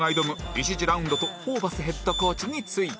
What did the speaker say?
１次ラウンドとホーバスヘッドコーチについて